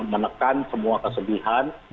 menekan semua kesedihan